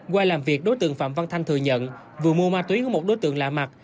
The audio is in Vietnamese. qua làm việc đối tượng phạm văn thanh thừa nhận vừa mua ma túy của một đối tượng lạ mặt